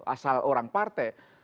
asal orang partai